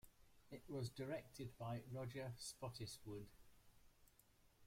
It was directed by Roger Spottiswoode.